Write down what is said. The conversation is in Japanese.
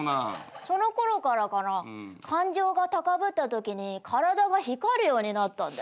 そのころからかな感情が高ぶったときに体が光るようになったんだよ。